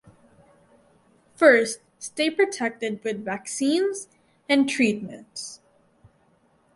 First, stay protected with vaccines and treatments.